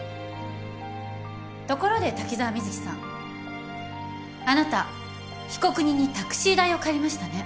ところで滝沢美月さんあなた被告人にタクシー代を借りましたね？